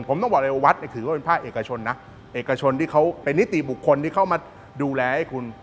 ผมต้องบอกเลยว่าวัดเนี่ยถือว่าเป็นภาคเอกชนนะเอกชนที่เขาเป็นนิติบุคคลที่เข้ามาดูแลให้คุณ